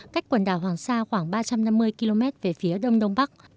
cách quần đảo hoàng sa khoảng ba trăm năm mươi km về phía đông đông bắc